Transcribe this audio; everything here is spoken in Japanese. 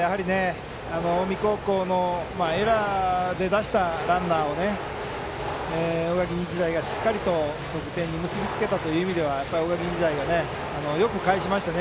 近江高校のエラーで出したランナーを大垣日大がしっかりと得点に結び付けたという意味では大垣日大がよく返しましたね。